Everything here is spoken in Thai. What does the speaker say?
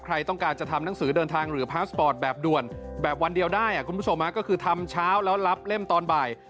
ใครต้องการจะทำหนังสือเดินทางหรือพาสปอร์ตแบบด่วนแบบวันเดียวได้คุณผู้ชมก็คือทำเช้าแล้วรับเล่มตอนบ่าย